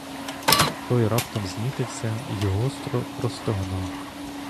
Той раптом знітився й гостро простогнав.